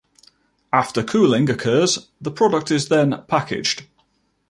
After cooling occurs, the product is then packaged.